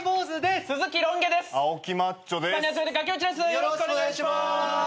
よろしくお願いします。